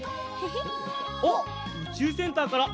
あっうちゅうセンターからでんわだ！